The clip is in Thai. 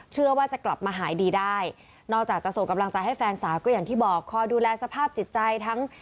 เชื่อว่าจะกลับมาหายดีได้